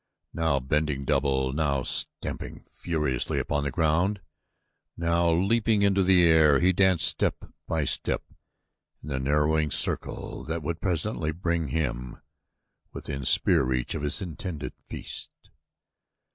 Now bending double, now stamping furiously upon the ground, now leaping into the air, he danced step by step in the narrowing circle that would presently bring him within spear reach of the intended feast.